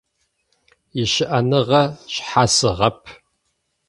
Ищыӏэныгъэ шъхьасыгъэп…